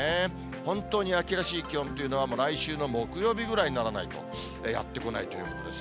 本当に秋らしい気温というのは、来週の木曜日ぐらいにならないと、やって来ないということです。